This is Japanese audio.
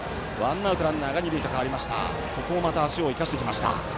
ここも、また足を生かしてきました。